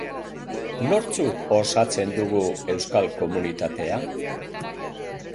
Nortzuk osatzen dugu euskal komunitatea?